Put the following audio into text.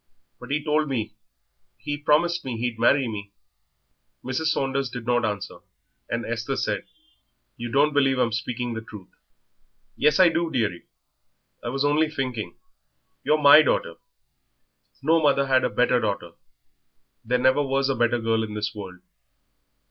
But he told me he promised me he'd marry me." Mrs. Saunders did not answer, and Esther said, "You don't believe I'm speaking the truth." "Yes, I do, dearie. I was only thinking. You're my daughter; no mother had a better daughter. There never was a better girl in this world."